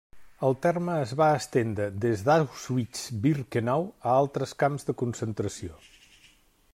El terme es va estendre des d'Auschwitz-Birkenau a altres camps de concentració.